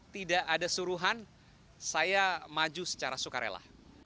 tidak ada suruhan saya maju secara sukarela